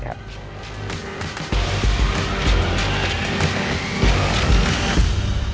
ขอบพระคุณครับ